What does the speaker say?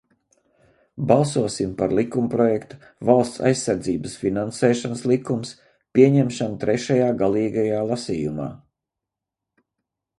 "Balsosim par likumprojekta "Valsts aizsardzības finansēšanas likums" pieņemšanu trešajā, galīgajā, lasījumā!"